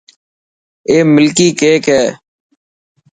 اي ملڪي ڪيڪ هي.